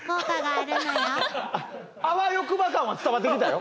あわよくば感は伝わってきたよ。